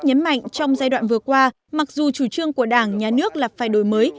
nhấn mạnh trong giai đoạn vừa qua mặc dù chủ trương của đảng nhà nước là phải đổi mới